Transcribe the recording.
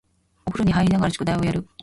お風呂に入りながら宿題をやる